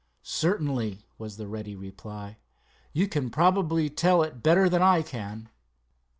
"Certainly," was the ready reply. "You can probably tell it better than I can."